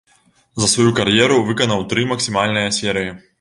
За сваю кар'еру выканаў тры максімальныя серыі.